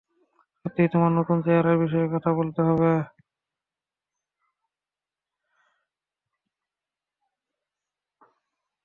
সত্যিই তোমার নতুন চেহারার বিষয়ে কথা বলতে হবে।